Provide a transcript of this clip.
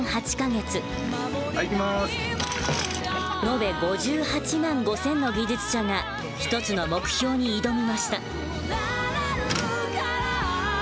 延べ５８万５，０００の技術者が一つの目標に挑みました。